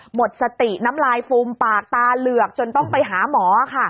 หมดสติน้ำลายฟูมปากตาเหลือกจนต้องไปหาหมอค่ะ